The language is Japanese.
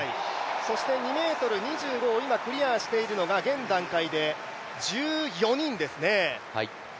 そして２ｍ２５を今クリアしているのが現段階で１４人ですね。